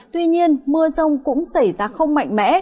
tuy nhiên mưa rông cũng xảy ra không mạnh mẽ